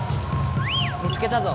見つけたぞ！